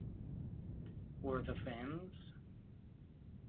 Or the fans?